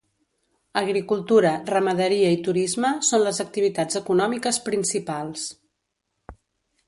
Agricultura, ramaderia i turisme són les activitats econòmiques principals.